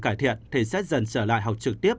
cải thiện thì xét dần trở lại học trực tiếp